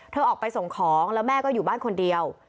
ออกไปส่งของแล้วแม่ก็อยู่บ้านคนเดียว